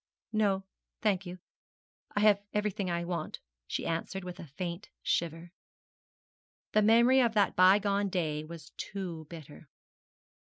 'No, thank you; I have everything I want,' she answered with a faint shiver. The memory of that bygone day was too bitter.